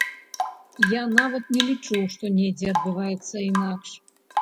Я нават не лічу, што недзе адбываецца інакш.